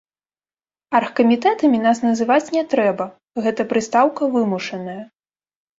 Аргкамітэтамі нас называць не трэба, гэта прыстаўка вымушаная.